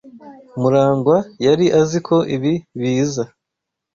Murangwa yari azi ko ibi biza.